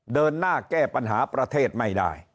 เดินหน้าแก้ปัญหาประเทศไม่ได้